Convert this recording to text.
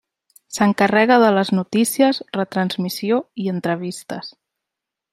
S'encarrega de les notícies, retransmissió i entrevistes.